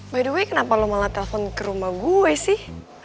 by the way kenapa lo malah telpon ke rumah gue sih